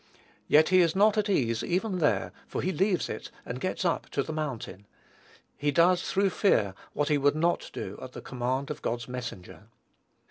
Yet he is not at ease even there, for he leaves it and gets up to the mountain. He does through fear what he would not do at the command of God's messenger.